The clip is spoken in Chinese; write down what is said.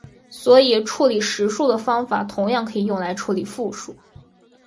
所以处理实数的方法同样可以用来处理复数。